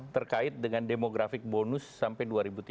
terkait dengan demografik bonus sampai dua ribu tiga puluh